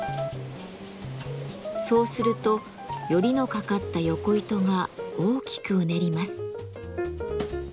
そうするとヨリのかかったヨコ糸が大きくうねります。